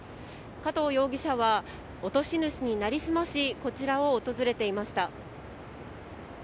加藤容疑者は落とし主になりすましこちらを訪れていました。